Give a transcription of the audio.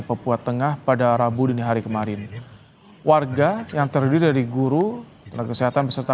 papua tengah pada rabu dini hari kemarin warga yang terdiri dari guru tenaga kesehatan beserta